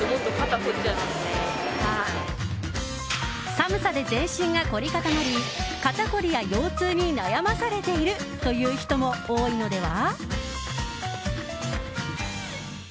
寒さで全身が凝り固まり肩こりや腰痛に悩まされているという人も多いのでは？